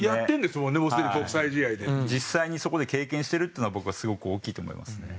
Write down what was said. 実際にそこで経験してるっていうのは僕はすごく大きいと思いますね。